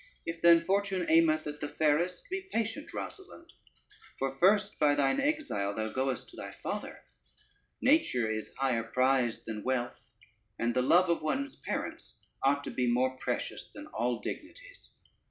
If then fortune aimeth at the fairest, be patient Rosalynde, for first by thine exile thou goest to thy father: nature is higher prize than wealth, and the love of one's parents ought to be more precious than all dignities.